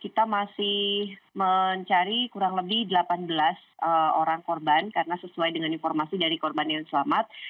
kita masih mencari kurang lebih delapan belas orang korban karena sesuai dengan informasi dari korban yang selamat